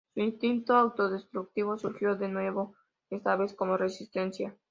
Su instinto autodestructivo surgió de nuevo, esta vez como "resistencia".